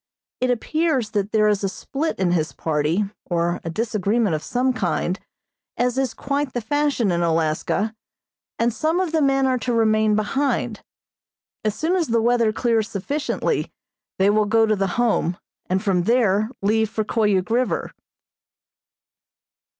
It appears that there is a split in his party, or a disagreement of some kind, as is quite the fashion in Alaska, and some of the men are to remain behind. As soon as the weather clears sufficiently they will go to the Home, and from there leave for Koyuk River.